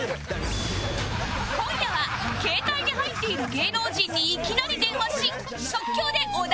今夜は携帯に入っている芸能人にいきなり電話し即興でお題に挑戦